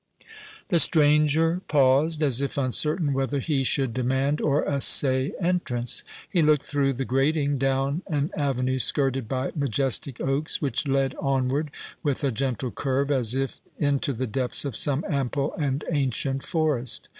The stranger paused, as if uncertain whether he should demand or assay entrance. He looked through the grating down an avenue skirted by majestic oaks, which led onward with a gentle curve, as if into the depths of some ample and ancient forest.